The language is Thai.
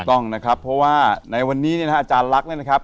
ถูกต้องนะครับเพราะว่าในวันนี้อาจารย์ลักษณ์นะครับ